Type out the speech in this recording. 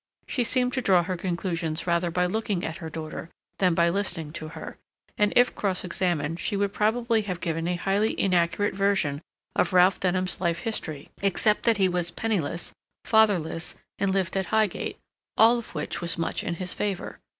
She seemed to draw her conclusions rather by looking at her daughter than by listening to her, and, if cross examined, she would probably have given a highly inaccurate version of Ralph Denham's life history except that he was penniless, fatherless, and lived at Highgate—all of which was much in his favor.